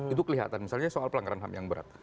itu kelihatan misalnya soal pelanggaran ham yang berat